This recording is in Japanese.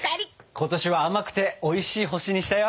今年は甘くておいしい星にしたよ！